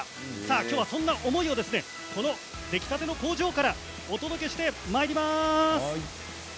今日は、そんな思いを出来たての工場からお届けしてまいります。